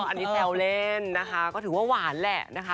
อันนี้แซวเล่นนะคะก็ถือว่าหวานแหละนะคะ